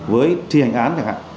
với thi hành án